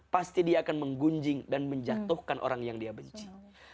pasti dia akan menggunjing dan menjatuhkan orang yang dia benci